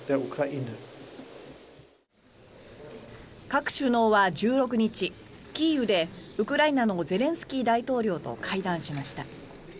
各首脳は１６日、キーウでウクライナのゼレンスキー大統領と会談しました。